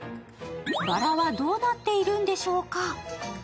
ばらはどうなっているんでしょうか。